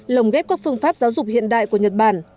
lồng ghép các phương pháp giáo dục hiện đại của nhật bản